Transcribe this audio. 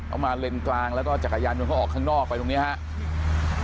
มาเลนกลางแล้วก็จักรยานยนต์เขาออกข้างนอกไปตรงนี้ครับ